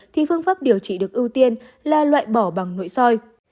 thì phương pháp điều trị được ưu tiên là loại bỏ bằng nội soi